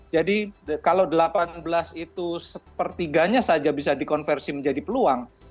jadi kalau delapan belas itu sepertiganya saja bisa dikonversi menjadi peluang